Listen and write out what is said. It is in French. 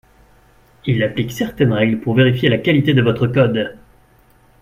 Il applique certaines règles pour vérifier la qualité de votre code